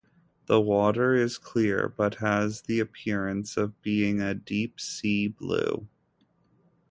The water is clear but has the appearance of being a deep sea-blue.